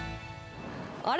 あれ？